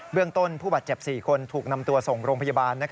เรื่องต้นผู้บาดเจ็บ๔คนถูกนำตัวส่งโรงพยาบาล